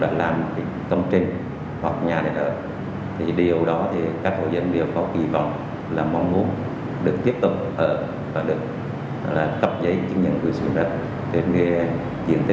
năm hai nghìn một mươi năm tòa án nhân dân thành phố vũng tàu tòa án nhân dân tối cao